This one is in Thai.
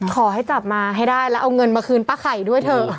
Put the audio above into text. ขอให้จับมาให้ได้แล้วเอาเงินมาคืนป้าไข่ด้วยเถอะ